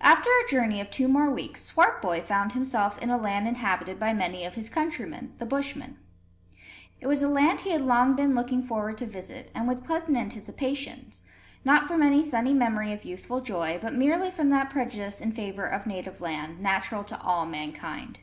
After a journey of two more weeks, Swartboy found himself in a land inhabited by many of his countrymen, the Bushmen. It was a land he had long been looking forward to visit, and with pleasant anticipations, not from any sunny memory of youthful joy, but merely from that prejudice in favour of native land, natural to all mankind.